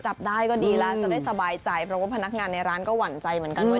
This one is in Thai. จับได้ก็ดีแล้วจะได้สบายใจเพราะว่าพนักงานในร้านก็หวั่นใจเหมือนกันว่า